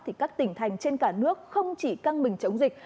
thì các tỉnh thành trên cả nước không chỉ căng mình chống dịch